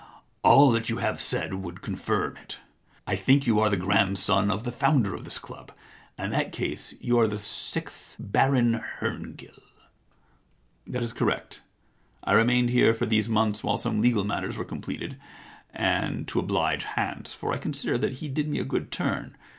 All that you have said would confirm it. I think you are the grandson of the founder of this club, and in that case you are the sixth Baron HerngilL* * That is correct. I remained here for these months while some legal matters were completed, and to oblige FJance, for I con sider that he did me a good turn.